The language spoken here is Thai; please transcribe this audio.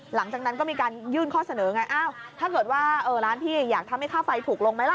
หลังจากนั้นก็มีการยื่นข้อเสนอไงอ้าวถ้าเกิดว่าร้านพี่อยากทำให้ค่าไฟถูกลงไหมล่ะ